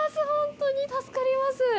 本当に助かります！